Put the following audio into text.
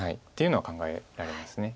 っていうのは考えられます。